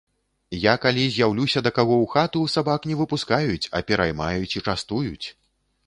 Я калі з'яўлюся да каго ў хату, сабак не выпускаюць, а пераймаюць і частуюць.